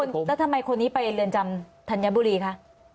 แล้วทำไมทำไมคนนี้ไปเรือนจำทันยบุรีคะ